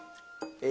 え